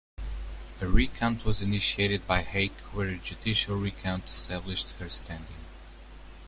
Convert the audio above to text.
A recount was initiated by Haeck where a judicial recount established her standing.